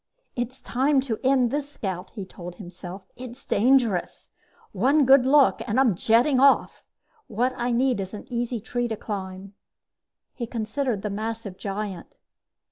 "It's time to end this scout," he told himself. "It's dangerous. One good look and I'm jetting off! What I need is an easy tree to climb." He considered the massive giant.